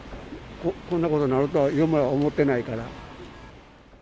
こんなことになるとよもや思ってないから。